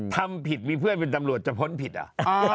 ทำผิดมีเพื่อนเป็นตำรวจจะพ้นผิดอ่ะ